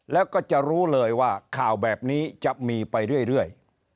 แล้วก็จะรู้เลยว่าข่าวแบบนี้จะมีไปเรื่อย